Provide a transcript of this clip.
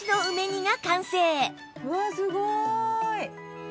うわっすごーい！